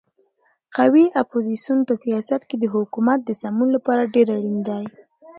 قوي اپوزیسیون په سیاست کې د حکومت د سمون لپاره ډېر اړین دی.